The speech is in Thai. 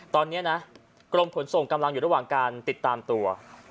ตอนนี้นะกรมขนส่งกำลังอยู่ระหว่างการติดตามตัว